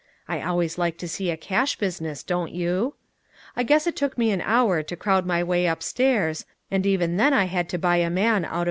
(I always like to see a cash business, don't you?) I guess it took me an hour to crowd my way up stairs, and even then I had to buy a man out of the line.